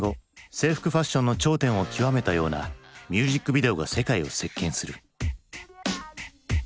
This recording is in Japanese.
制服ファッションの頂点を極めたようなミュージックビデオが世界を席けんする。